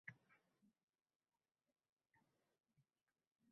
Makkada gazlama sotuvchining olidida toʻxtadim.